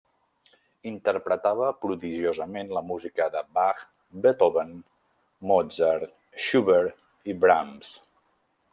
Interpretava prodigiosament la música de Bach, Beethoven, Mozart, Schubert i Brahms.